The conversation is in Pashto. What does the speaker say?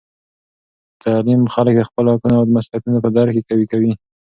تعلیم خلک د خپلو حقونو او مسؤلیتونو په درک کې قوي کوي.